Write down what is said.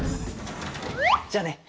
じゃあね！